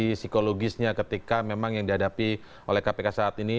kondisi psikologisnya ketika memang yang dihadapi oleh kpk saat ini